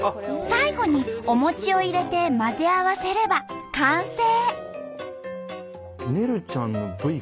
最後にお餅を入れて混ぜ合わせれば完成。